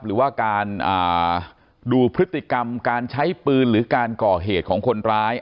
หรือว่าการดูพฤติกรรมการใช้ปืนหรือการก่อเหตุของคนร้าย